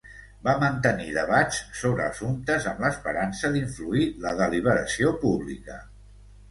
Va mantenir debats sobre assumptes amb l'esperança d'influir la deliberació pública.